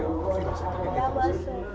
kawasan kaki gitu sih